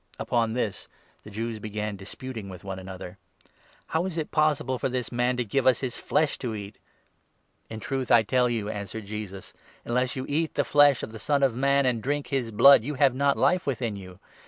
Upon this the Jews began disputing with one another :" How is it possible for this man to give us his flesh to eat ?"" In truth I tell you," answered Jesus, " unless you eat the flesh of the Son of Man, and drink his blood, you have not Life within you.